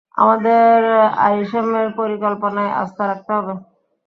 আমাদের আরিশেমের পরিকল্পনায় আস্থা রাখতে হবে।